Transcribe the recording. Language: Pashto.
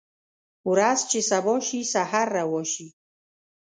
ورځ چې سبا شي سحر روا شي